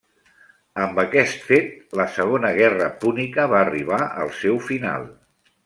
Amb aquest fet, la Segona Guerra Púnica va arribar al seu final.